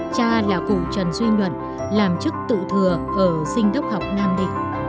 cha là cụ trần duy nhuận làm chức tự thừa ở sinh đốc học nam định